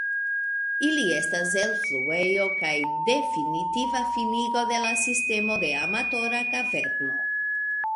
Ili estas elfluejo kaj definitiva finigo de la sistemo de Amatora kaverno.